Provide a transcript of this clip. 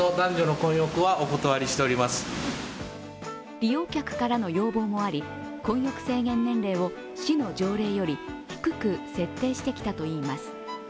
利用客からの要望もあり混浴制限年齢を市の条例より低く設定してきたといいます。